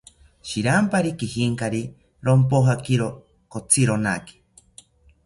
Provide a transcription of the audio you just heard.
Shirampari kijinkari, rompojakiro kotzironaki